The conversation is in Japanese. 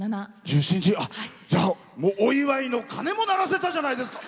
お祝いの鐘も鳴らせたじゃないですか。